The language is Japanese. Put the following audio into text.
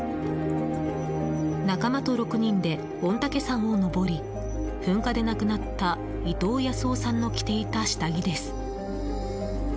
仲間と６人で御岳山を登り噴火で亡くなった伊藤保男さんの着ていた下着です。